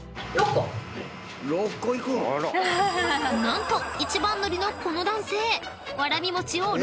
［何と一番乗りのこの男性］